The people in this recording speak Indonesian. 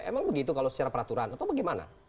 emang begitu kalau secara peraturan atau bagaimana